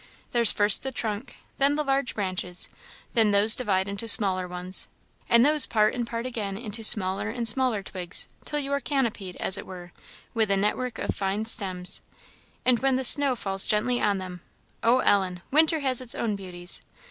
There's first the trunk, then the large branches, then those divide into smaller ones, and those part and part again into smaller and smaller twigs, till you are canopied, as it were, with a network of fine stems. And when the snow falls gently on them oh, Ellen, winter has its own beauties.